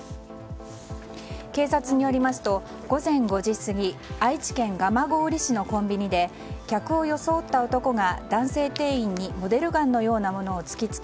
警察によりますと午前５時過ぎ愛知県蒲郡市のコンビニで客を装った男が男性店員にモデルガンのようなものを突き付け